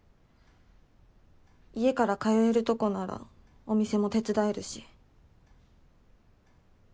家から通えるとこならお店も手伝えるし。